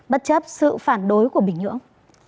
bất chấp sự phản đối của bình nhưỡng